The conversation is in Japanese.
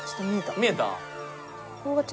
見えた？